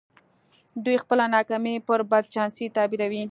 دوی خپله ناکامي پر بد چانسۍ تعبيروي.